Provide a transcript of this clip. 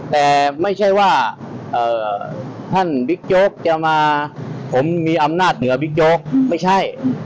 แต่ไม่ใช่ว่าท่านบิ๊กโจ๊กจะมาผมมีอำนาจเหนือบิ๊กโจ๊กไม่ใช่